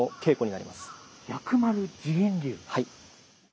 はい。